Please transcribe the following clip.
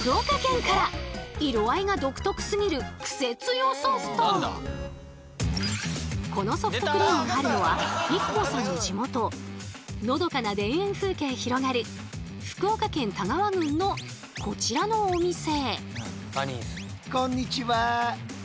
まずはこのソフトクリームがあるのはＩＫＫＯさんの地元のどかな田園風景広がる福岡県田川郡のこちらのお店。